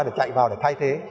để chạy vào để thay thế